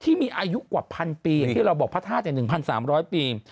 ที่มีอายุกว่าพันปีที่เราบอกพระธาตุอย่าง๑๓๐๐ปี